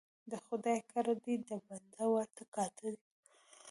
ـ د خداى کړه دي د بنده ورته کاته دي.